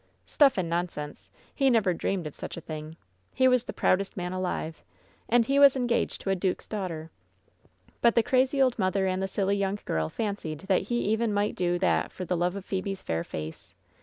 "Stuff and nonsense! He never dreamed of such a thing ! He was the proudest man alive ! And he was engaged to a duke's daughter ! But the crazy old mother and the silly young girl fancied that he even might do that for love of Phebe's fair face.